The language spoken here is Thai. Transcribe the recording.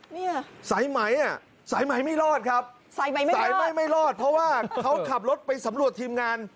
เนี่ยสายไหมอ่ะสายไหมไม่รอดครับสายไหมสายไหม้ไม่รอดเพราะว่าเขาขับรถไปสำรวจทีมงาน